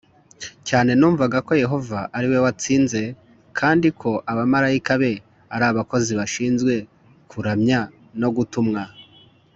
cyane Numvaga ko Yehova ari we watsinze kandi ko abamarayika be ari abakozi bashinzwe kuramya no gutumwa.